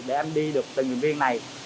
để em đi được tình nguyện viên này